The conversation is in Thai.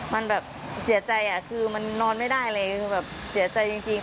มันแบบเสียใจคือมันนอนไม่ได้เลยคือแบบเสียใจจริง